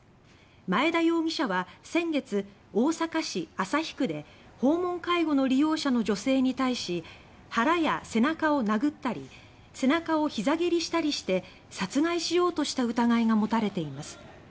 前田容疑者は先月大阪市旭区で訪問介護の利用者の女性に対し腹や背中を殴ったり背中を膝蹴りしたりして殺害しようとした疑いがもたれています。